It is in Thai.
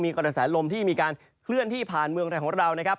กระแสลมที่มีการเคลื่อนที่ผ่านเมืองไทยของเรานะครับ